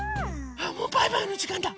あっもうバイバイのじかんだ！